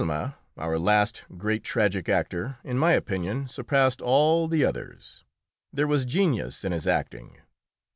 ] Talma, our last great tragic actor, in my opinion surpassed all the others. There was genius in his acting.